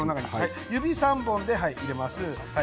指３本で入れます。